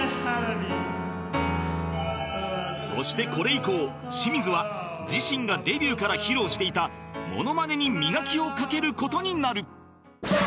そしてこれ以降清水は自身がデビューから披露していたモノマネに磨きをかける事になる